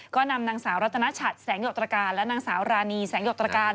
ก็นำนางสาวรัตนชัดแสงหยกตรการและนางสาวรานีแสงหยกตรการ